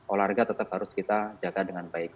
olahraga tetap harus kita jaga dengan baik